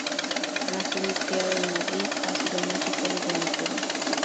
Nacido y criado en Madrid, ha sido músico desde muy joven.